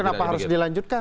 lalu kenapa harus dilanjutkan